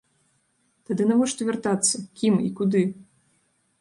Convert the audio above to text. Тады навошта вяртацца, кім і куды?